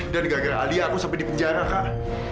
dan gara gara alia aku sampai di penjara kak